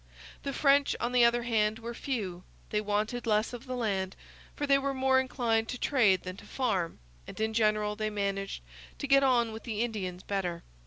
The French, on the other hand, were few, they wanted less of the land, for they were more inclined to trade than to farm, and in general they managed to get on with the Indians better.